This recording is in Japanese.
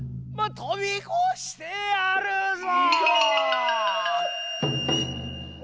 飛び越してやるぞ！